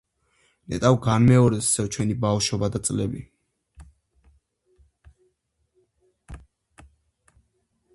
ნეტავ განმეორდეს ისევ ჩვენი ბავშვობა და წლები!